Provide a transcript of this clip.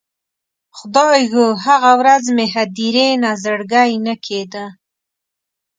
خدایږو، هغه ورځ مې هدیرې نه زړګی نه کیده